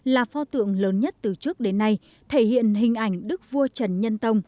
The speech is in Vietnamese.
là pho tượng lớn nhất từ trước đến nay thể hiện hình ảnh đức vua trần nhân tông